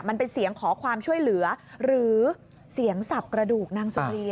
มันเป็นเสียงขอความช่วยเหลือหรือเสียงสับกระดูกนางสุรี